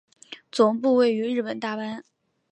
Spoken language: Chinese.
总部位于日本大阪。